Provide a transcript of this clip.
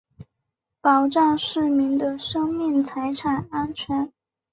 保障市民的生命财产安全